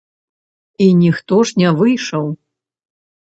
І ніхто ж не выйшаў.